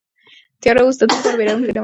تیاره اوس د ده لپاره وېروونکې نه وه.